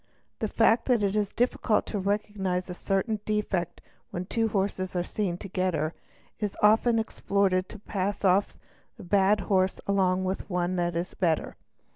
The fact that it is difficult to recognise a certain defect when two horses are seen together is often exploited to pass off a bad horse along with one which is better.